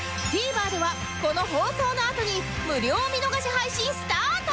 ＴＶｅｒ ではこの放送のあとに無料見逃し配信スタート！